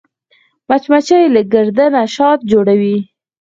مچمچۍ له ګرده نه شات جوړوي